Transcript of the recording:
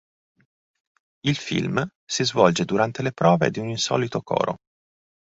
Il film si svolge durante le prove di un insolito coro.